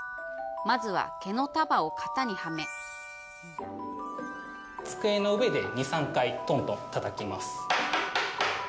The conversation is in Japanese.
まずは毛の束を型にはめ机の上で２３回、トントンたたきます。